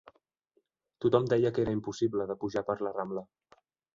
Tothom deia que era impossible de pujar per la Rambla.